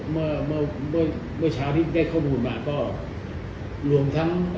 เมื่อเมื่อเช้านี้ได้ข้อมูลมาก็รวมทั้ง